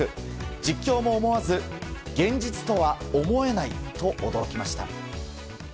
実況も思わず現実とは思えないと驚きました。